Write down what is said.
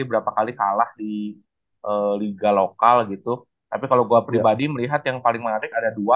berapa kali kalah di liga lokal gitu tapi kalau gue pribadi melihat yang paling menarik ada dua